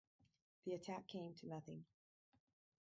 The attack came to nothing.